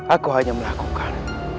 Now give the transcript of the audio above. aku hanya melakukan